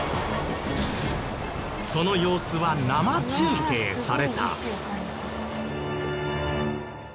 その様子は生中継された。